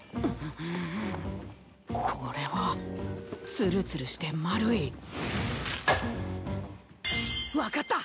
ツルツルして丸い分かった！